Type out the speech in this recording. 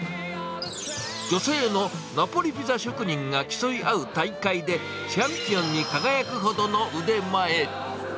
女性のナポリピザ職人が競い合う大会で、チャンピオンに輝くほどの腕前。